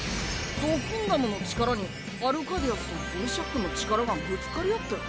ドキンダムの力にアルカディアスとボルシャックの力がぶつかり合ってる。